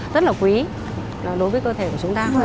rất là quý đối với cơ thể của chúng ta